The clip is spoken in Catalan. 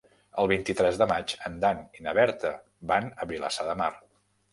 El vint-i-tres de maig en Dan i na Berta van a Vilassar de Mar.